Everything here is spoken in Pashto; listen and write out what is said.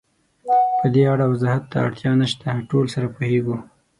پدې اړه وضاحت ته اړتیا نشته، ټول سره پوهېږو.